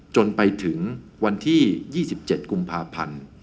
จนไปถึงวันที่๒๗กุมภาพันธ์